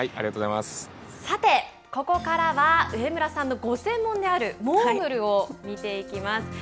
さてここからは上村さんのご専門であるモーグルを見ていきます。